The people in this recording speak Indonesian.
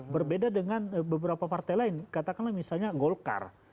berbeda dengan beberapa partai lain katakanlah misalnya golkar